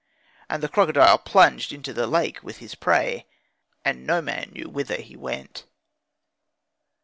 And the crocodile plunged into the lake with his prey, and no man knew whither he went.